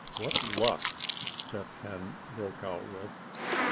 "What luck!" Step Hen broke out with.